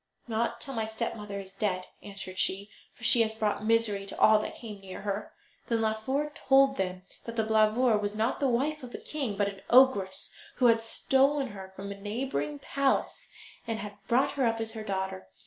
"Not till my stepmother is dead," answered she, "for she has brought misery to all that came near her." Then Laufer told them that Blauvor was not the wife of a king, but an ogress who had stolen her from a neighbouring palace and had brought her up as her daughter.